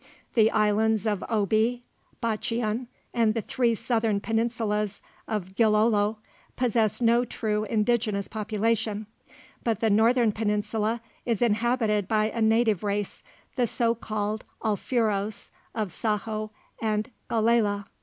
The islands of Obi, Batchian, and the three southern peninsulas of Gilolo, possess no true indigenous population; but the northern peninsula is inhabited by a native race, the so called Alfuros of Sahoe and Galela.